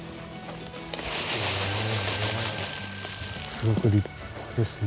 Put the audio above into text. すごく立派ですね。